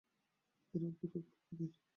এরা ভীরু প্রকৃতির।